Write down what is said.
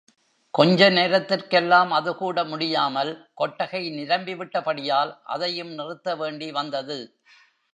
கொஞ்ச நேரத்திற்கெல்லாம் அதுகூட முடியாமல், கொட்டகை நிரம்பிவிட்டபடியால் அதையும் நிறுத்த வேண்டி வந்தது.